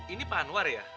ini pak anwar ya